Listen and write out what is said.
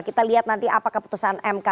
kita lihat nanti apa keputusan mk